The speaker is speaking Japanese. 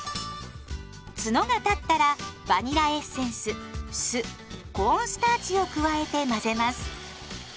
ツノが立ったらバニラエッセンス酢コーンスターチを加えて混ぜます。